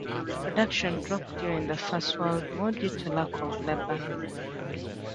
Production dropped during the first world war due to lack of labour.